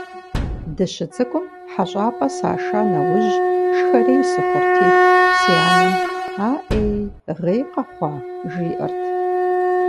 Дыщыцӏыкӏум хьэщӏапӏэ саша нэужь шхэрей сыхъурти, си анэм «Аӏей, гъей къэхъуа?», жиӏэрт.